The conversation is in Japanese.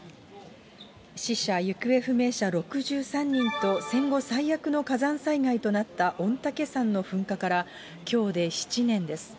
死者・行方不明者６３人と、戦後最悪の火山災害となった御嶽山の噴火からきょうで７年です。